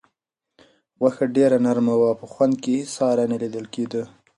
غوښه ډېره نرمه وه او په خوند کې یې هیڅ ساری نه لیدل کېده.